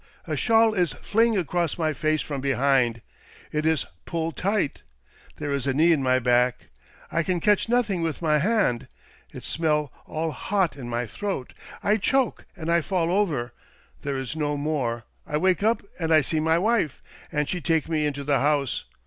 — a shawl is fling across my face from behind — it is pull 118 THE DOIililNGTON DEED BOX tight — there is a knee in my back — I can catch nothing with my hand — it smell all hot in my throat — I choke and I fall over — there is no more. I wake up and I see my wife, and she take me into the house.